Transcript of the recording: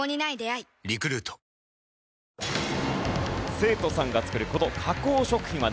生徒さんが作るこの加工食品は何？